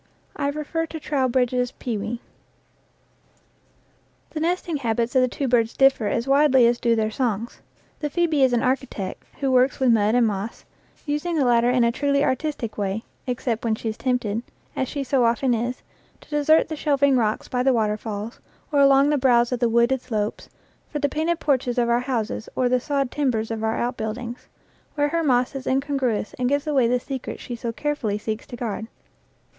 I refer to Trow bridge's "Pewee." The nesting habits of the two birds differ as widely as do their songs. The phoebe is an architect tvho works with mud and moss, using the latter in a truly artistic way, except when she is tempted, as she so often is, to desert the shelving rocks by the waterfalls, or along the brows of the wooded slopes, for the painted porches of our houses or the sawed timbers of our outbuildings, where her moss is in congruous and gives away the secret she so care fully seeks to guard.